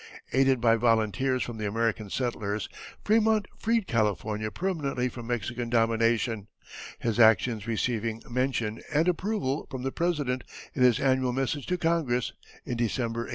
Aided by volunteers from the American settlers Frémont freed California permanently from Mexican domination, his actions receiving mention and approval from the President in his Annual Message to Congress, in December, 1846.